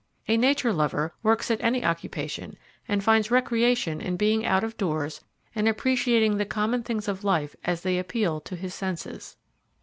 A Nature Lover works at any occupation and finds recreation in being out of doors and appreciating the common things of life as they appeal to his senses.